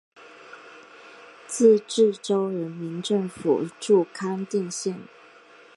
自治州人民政府驻康定县。